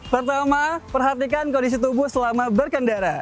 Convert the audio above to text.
pertama perhatikan kondisi tubuh selama berkendara